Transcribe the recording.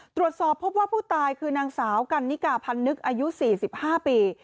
ตรวจสอบพบว่าผู้ตายคือนางสาวกันนิกาพันนึกอายุ๔๕ปี